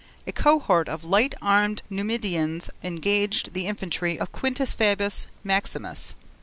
A cohort of light armed Numidians engaged the infantry of Quintus Fabius Maximus.